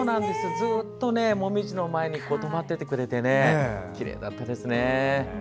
ずっと道の前に止まっていてくれてきれいだったですね。